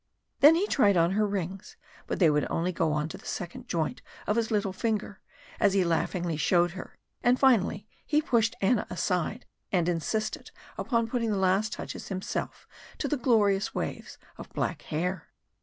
Then he tried on her rings, but they would only go on to the second joint of his little finger, as he laughingly showed her and finally he pushed Anna aside, and insisted upon putting the last touches himself to the glorious waves of black hair.